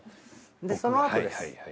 そのあとです。